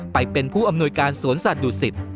ไปเป็นผู้อำนวยการสวนสัตว์ดุสิต